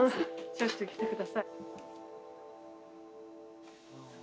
しょっちゅう来てください。